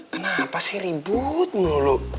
kenapa sih ribut melulu